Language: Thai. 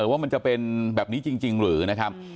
ว่ามันจะเป็นแบบนี้จริงหรือนะครับ